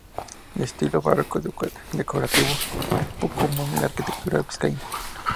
De estilo barroco decorativo, poco común en la arquitectura vizcaína.